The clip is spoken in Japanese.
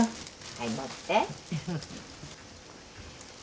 はい持って。